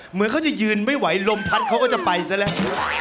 เหมือนเขาจะยืนไม่ไหวลมพัดเขาก็จะไปซะแล้ว